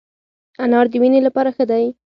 انار د وینې لپاره ښه دی